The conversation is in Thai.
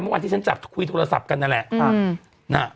วันที่ฉันจับคุยโทรศัพท์กันนั่นแหละ